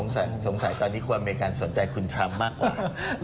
สงสัยตอนนี้คนอเมริกันสนใจคุณทรัมป์มากกว่า